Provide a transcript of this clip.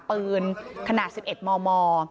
ปืนขนาด๑๑มม